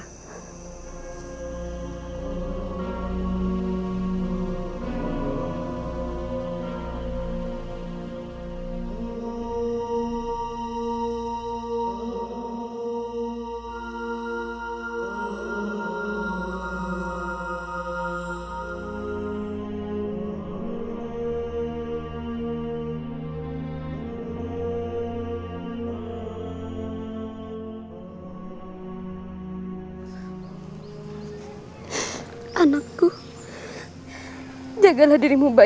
bisa tak khawatir denganmu nak